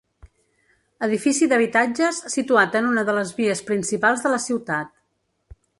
Edifici d'habitatges situat en una de les vies principals de la ciutat.